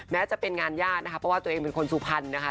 แม้จะเป็นงานยากนะครับว่าตัวเองเป็นคนสู่พันธุ์น่ะ